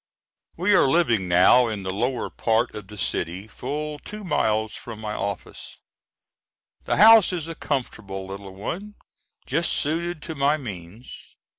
We are living now in the lower part of the city full two miles from my office. The house is a comfortable little one, just suited to my means.